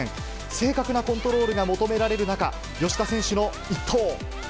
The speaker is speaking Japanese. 正確なコントロールが求められる中、吉田選手の一投。